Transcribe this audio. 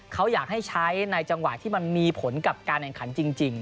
เขาอยากให้ใช้ในจังหวะที่มันมีผลกับการแข่งขันจริง